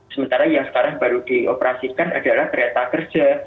sementara yang sekarang baru dioperasikan adalah kereta kerja